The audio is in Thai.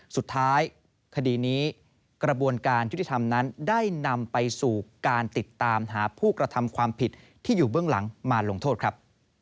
คดีนี้กระบวนการยุติธรรมนั้นได้นำไปสู่การติดตามหาผู้กระทำความผิดที่อยู่เบื้องหลังมาลงโทษครับ